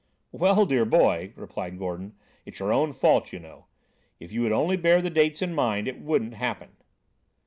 "Well, dear boy," replied Gordon, "it's your own fault, you know. If you would only bear the dates in mind, it wouldn't happen."